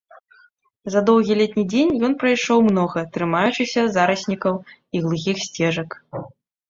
За доўгі летні дзень ён прайшоў многа, трымаючыся зараснікаў і глухіх сцежак.